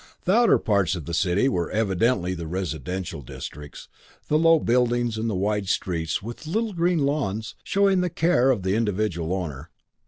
The outer parts of the city were evidently the residential districts, the low buildings and the wide streets with the little green lawns showing the care of the individual owner.